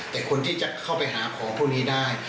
แต่คนที่จะเข้าไปหาของพวกนี้ได้